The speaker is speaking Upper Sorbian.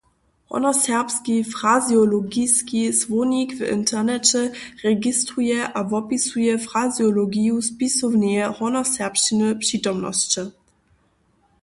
Hornjoserbski frazeologiski słownik w interneće registruje a wopisuje frazeologiju spisowneje hornjoserbšćiny přitomnosće.